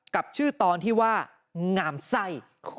กับชื่อตอนที่ว่างามไส้